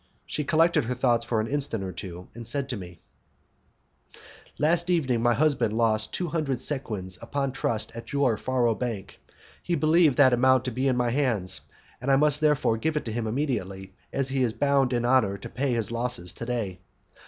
She collected her thoughts for an instant or two, and said to me: "Last evening my husband lost two hundred sequins upon trust at your faro bank; he believed that amount to be in my hands, and I must therefore give it to him immediately, as he is bound in honour to pay his losses to day.